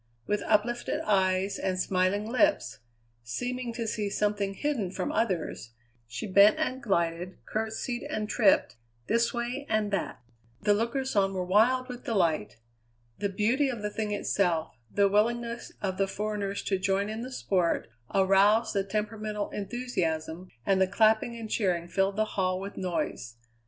With uplifted eyes and smiling lips, seeming to see something hidden from others, she bent and glided, curtesied and tripped, this way and that. The lookers on were wild with delight. The beauty of the thing itself, the willingness of the foreigners to join in the sport, aroused the temperamental enthusiasm, and the clapping and cheering filled the hall with noise.